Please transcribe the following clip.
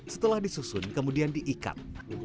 setelah disusun kemudian diikat